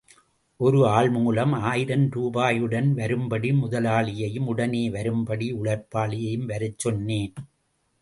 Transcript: ஒர் ஆள்மூலம், ஆயிரம் ரூபாயுடன் வரும்படி முதலாளியையும், உடனே வரும்படி உழைப்பாளியையும் வரச்சொன்னேன்.